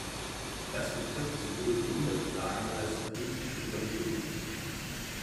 Das betrifft sowohl die Umweltfragen als auch ethische Überlegungen.